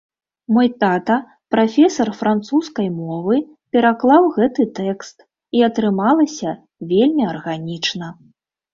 Мой тата, прафесар французскай мовы, пераклаў гэты тэкст, і атрымалася вельмі арганічна.